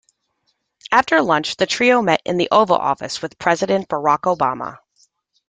After lunch the trio met in the Oval Office with President Barack Obama.